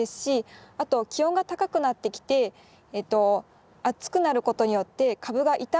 あと気温が高くなってきて暑くなることによって株が傷んでしまうので。